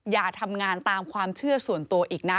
อย่าทำงานตามความเชื่อส่วนตัวอีกนะ